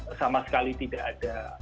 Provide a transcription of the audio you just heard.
sama sekali tidak ada